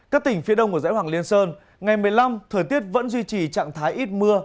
các tỉnh phía đông của dãy hoàng liên sơn ngày một mươi năm thời tiết vẫn duy trì trạng thái ít mưa